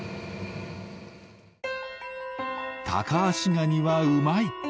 タカアシガニはうまい！